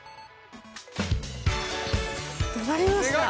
留まりました！